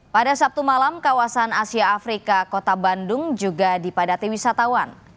pada sabtu malam kawasan asia afrika kota bandung juga dipadati wisatawan